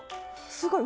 すごい！